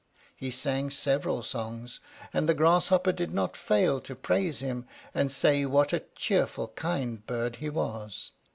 He sang several songs, and the Grasshopper did not fail to praise him, and say what a cheerful, kind bird he was.